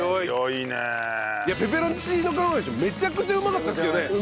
いやペペロンチーノ釜飯もめちゃくちゃうまかったですけどね。